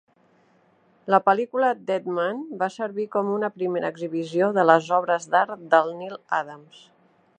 La pel·lícula "Deadman" va servir com una primera exhibició de les obres d"art del Neal Adams.